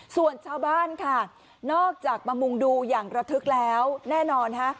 ส่วนชาวบ้านค่ะนอกจากมามุงดูอย่างระทึกแล้วแน่นอนฮะ